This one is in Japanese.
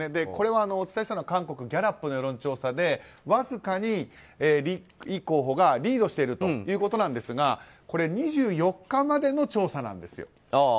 これはお伝えしたのが韓国ギャラップの世論調査でわずかにイ候補がリードしているということですがこれは２４日までの調査なんですよ。